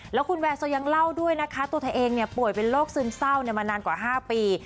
แล้วคุณแวร์โซยังเล่าด้วยนะคะตัวเธอเองป่วยเป็นโรคซึมเศร้ามานานกว่า๕ปี